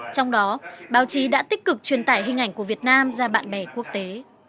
trong đó báo chí đã tích cực truyền tải hình ảnh của việt nam ra bạn bè quốc tế